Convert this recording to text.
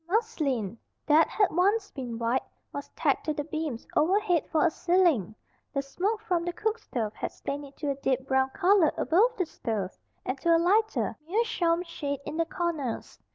Muslin, that had once been white, was tacked to the beams overhead for a ceiling. The smoke from the cookstove had stained it to a deep brown color above the stove and to a lighter, meerschaum shade in the corners.